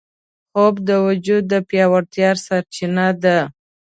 خوب د وجود د پیاوړتیا سرچینه ده